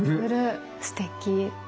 すてき！